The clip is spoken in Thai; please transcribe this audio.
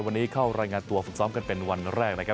วันนี้เข้ารายงานตัวฝึกซ้อมกันเป็นวันแรกนะครับ